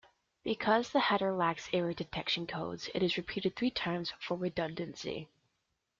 Because the header lacks error detection codes, it is repeated three times for redundancy.